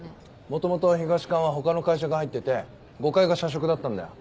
元々東館は他の会社が入ってて５階が社食だったんだよ。